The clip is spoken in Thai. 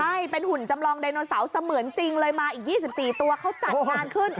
ใช่เป็นหุ่นจำลองไดโนเสาร์เสมือนจริงเลยมาอีก๒๔ตัวเขาจัดงานขึ้น